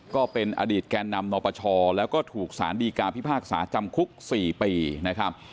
ก็เป็นอดีตแก่นำนปชแล้วก็ถูกสารดีกาพิพากษาจำคุก๔ปีนะครับ